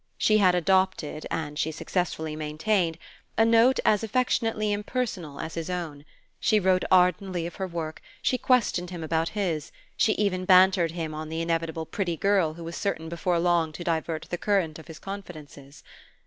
She had adopted, and she successfully maintained, a note as affectionately impersonal as his own; she wrote ardently of her work, she questioned him about his, she even bantered him on the inevitable pretty girl who was certain before long to divert the current of his confidences.